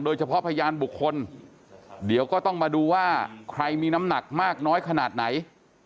โดยเฉพาะพยานบุคคลเดี๋ยวก็ต้องมาดูว่าใครมีน้ำหนักมากน้อยขนาดไหน